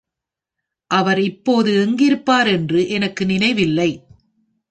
அவர் இப்போது எங்கிருப்பார் என்று எனக்கு நினைவில்லை.